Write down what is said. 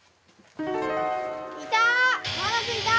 いた！